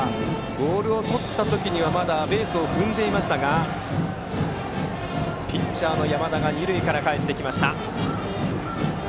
ボールをとった時にはまだベースを踏んでいましたがピッチャーの山田が二塁からかえってきました。